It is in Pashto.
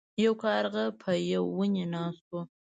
یو کارغه په یو ونې ناست و.